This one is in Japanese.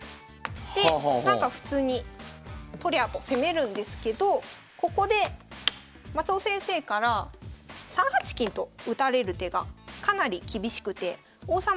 でなんか普通にとりゃと攻めるんですけどここで松尾先生から３八金と打たれる手がかなり厳しくて王様